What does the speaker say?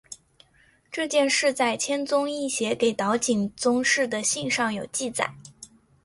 这件事在千宗易写给岛井宗室的信上有记载。